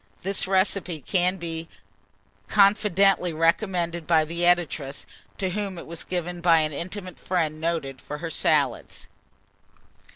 This recipe can be confidently recommended by the editress, to whom it was given by an intimate friend noted for her salads.